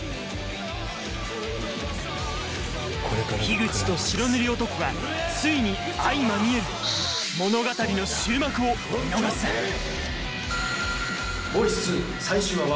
口と白塗り男がついに相まみえる物語の『ボイス』最終話は。